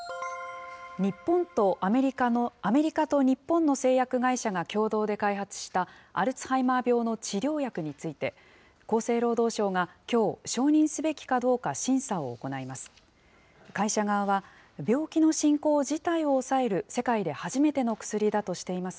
アメリカと日本の製薬会社が共同で開発したアルツハイマー病の治療薬について、厚生労働省が、きょう、承認すべきかどうか審査を行います。